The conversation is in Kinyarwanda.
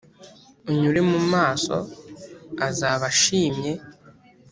unyure mu maso azaba ashimye.